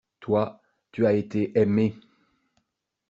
Toi, tu as été aimé.